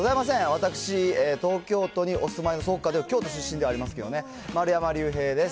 私、東京都にお住まいの、そうか、京都出身ではありますけどね、丸山隆平です。